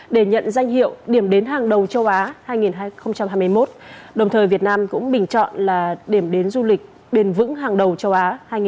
để nhận danh hiệu điểm đến hàng đầu châu á hai nghìn hai mươi một đồng thời việt nam cũng bình chọn là điểm đến du lịch bền vững hàng đầu châu á hai nghìn hai mươi bốn